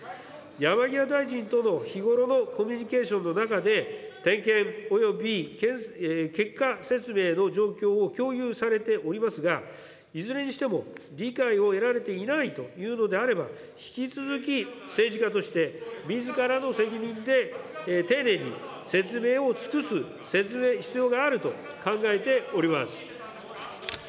山際大臣との日頃のコミュニケーションの中で、点検、および結果説明の状況を共有されておりますが、いずれにしても、理解を得られていないというのであれば、引き続き政治家として、みずからの責任で丁寧に説明を尽くす必要があると考えております。